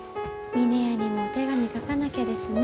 峰屋にもお手紙書かなきゃですね。